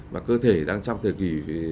và cơ thể đang trong thời kỳ phân hủy